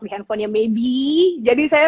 handphonenya maybe jadi saya